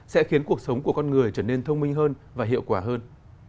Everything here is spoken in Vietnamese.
sẽ khiến cuộc sống của con người trở nên thông minh hơn và hiệu quả hơn